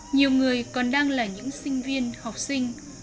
nhiều người còn đang là những sinh viên học sinh